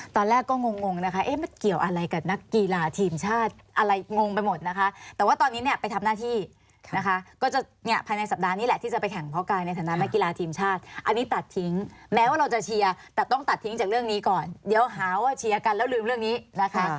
ตอนแรกก็งงนะคะเอ๊ะมันเกี่ยวอะไรกับนักกีฬาทีมชาติอะไรงงไปหมดนะคะแต่ว่าตอนนี้เนี่ยไปทำหน้าที่นะคะก็จะเนี่ยภายในสัปดาห์นี้แหละที่จะไปแข่งพ่อกายในฐานะนักกีฬาทีมชาติอันนี้ตัดทิ้งแม้ว่าเราจะเชียร์แต่ต้องตัดทิ้งจากเรื่องนี้ก่อนเดี๋ยวหาว่าเชียร์กันแล้วลืมเรื่องนี้นะคะ